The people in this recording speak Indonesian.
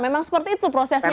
memang seperti itu prosesnya